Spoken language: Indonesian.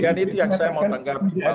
jadi itu yang saya mau tanggalkan